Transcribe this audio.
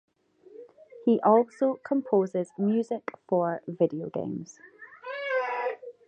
He also composes music for videogames.